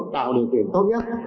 tạo điều kiện tốt nhất